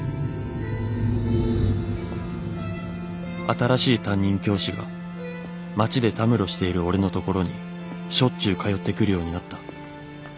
「新しい担任教師が街でたむろしている俺のところにしょっちゅう通ってくるようになった。